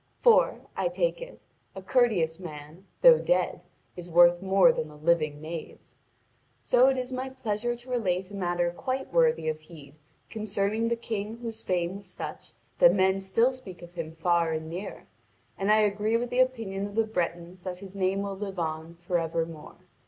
For, I take it, a courteous man, though dead, is worth more than a living knave. So it is my pleasure to relate a matter quite worthy of heed concerning the King whose fame was such that men still speak of him far and near; and I agree with the opinion of the Bretons that his name will live on for evermore.